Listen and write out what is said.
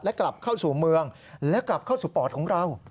และกลับเข้าสู่เมืองและกลับเข้าสู่ปอดของเรา